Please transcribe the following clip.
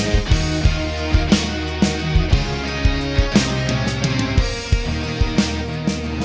buat aku tergoda